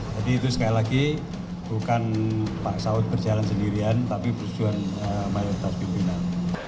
jadi itu sekali lagi bukan pak saud berjalan sendirian tapi persetujuan mayoritas pimpinan